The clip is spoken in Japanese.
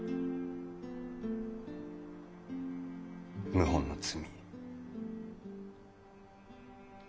謀反の罪。